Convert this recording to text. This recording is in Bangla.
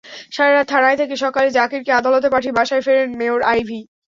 সারা রাত থানায় থেকে সকালে জাকিরকে আদালতে পাঠিয়ে বাসায় ফেরেন মেয়র আইভি।